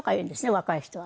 若い人は。